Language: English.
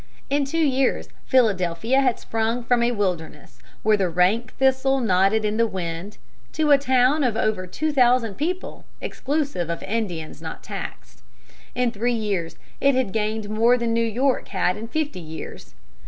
In two years Philadelphia had sprung from a wilderness, where the rank thistle nodded in the wind, to a town of over two thousand people, exclusive of Indians not taxed. In three years it had gained more than New York had in fifty years.